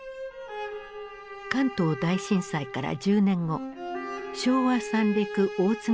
関東大震災から１０年後昭和三陸大津波が発生。